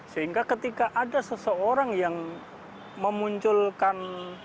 sehingga ketika ada seseorang yang memunculkan